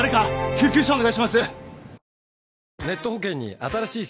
救急車お願いします！